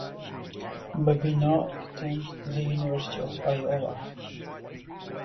Babineaux attended the University of Iowa.